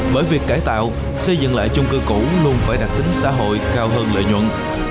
bởi việc cải tạo xây dựng lại chung cư cũ luôn phải đặt tính xã hội cao hơn lợi nhuận